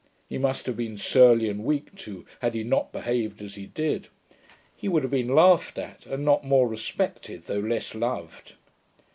He must have been surly, and weak too, had he not behaved as he did. He would have been laughed at, and not more respected, though less loved.